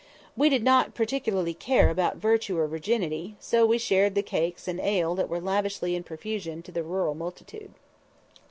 We did not particularly care about virtue or virginity, so we shared in the cakes and ale that were lavished in profusion to the rural multitude.